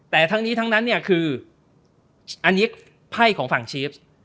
แต่ทั้งนี้ทั้งนั้นเนี่ยคืออันนี้ไพ่ของฝั่งชีฟ